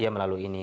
iya melalui ini